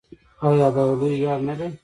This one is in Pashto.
آیا دا یو لوی ویاړ نه دی؟